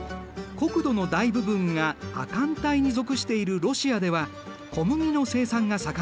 国土の大部分が亜寒帯に属しているロシアでは小麦の生産が盛んだ。